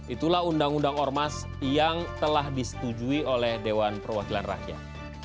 itulah undang undang ormas yang telah disetujui oleh dewan perwakilan rakyat